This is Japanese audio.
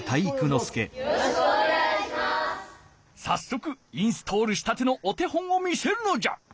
さっそくインストールしたてのお手本を見せるのじゃ。